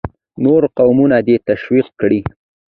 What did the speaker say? نور قومونه دې ته تشویق کړي.